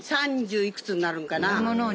いくつになるんかな。